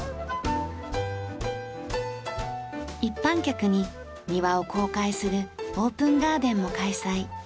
一般客に庭を公開するオープンガーデンも開催。